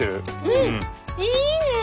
うんいいねえ！